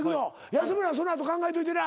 安村その後考えといてな。